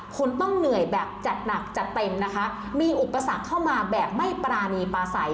คุณต้องเหนื่อยแบบจัดหนักจัดเต็มนะคะมีอุปสรรคเข้ามาแบบไม่ปรานีปลาใส